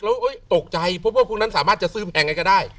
แล้วโอ๊ยตกใจเพราะพวกพวกนั้นสามารถจะซื้อแทนยังไงก็ได้